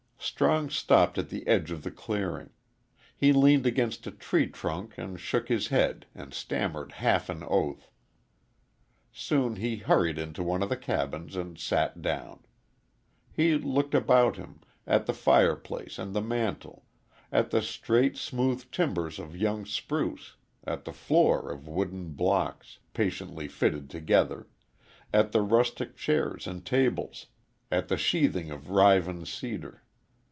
Strong stopped at the edge of the clearing. He leaned against a tree trunk and shook his head and stammered half an oath. Soon he hurried into one of the cabins and sat down. He looked about him at the fireplace and the mantel, at the straight, smooth timbers of young spruce, at the floor of wooden blocks, patiently fitted together, at the rustic chairs and tables, at the sheathing of riven cedar.